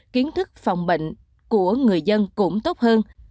kiến thức phòng bệnh của người dân cũng tốt hơn